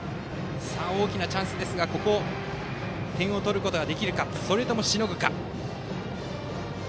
さあ、大きなチャンスですがここで点を取ることができるかそれとも、しのぐか。